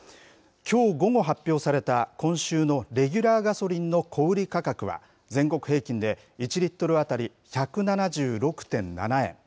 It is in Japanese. きょう午後、発表された今週のレギュラーガソリンの小売り価格は、全国平均で１リットル当たり１７６．７円。